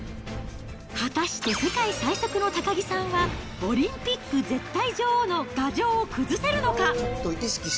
果たして世界最速の高木さんは、オリンピック絶対女王の牙城を崩せるのか。